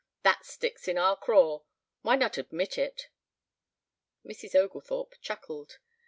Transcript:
That sticks in our craw. Why not admit it?" Mrs. Oglethorpe chuckled.